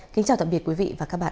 kính chào tạm biệt quý vị và các bạn